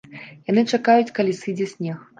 Яны чакаюць, калі сыдзе снег.